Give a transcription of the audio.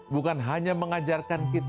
bukan hanya mengajarkan kita